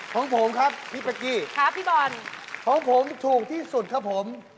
ของผมครับพี่ปากกี้ของผมถูกที่สุดครับผม